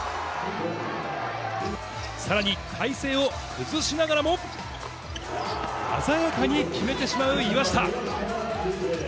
さらに体勢を崩しながらも鮮やかに決めてしまう岩下。